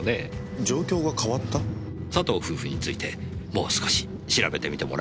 佐藤夫婦についてもう少し調べてみてもらえませんか？